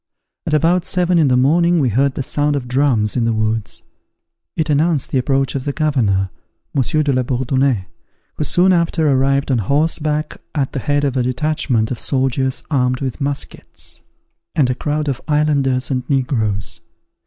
At about seven in the morning we heard the sound of drums in the woods: it announced the approach of the governor, Monsieur de la Bourdonnais, who soon after arrived on horseback, at the head of a detachment of soldiers armed with muskets, and a crowd of islanders and negroes.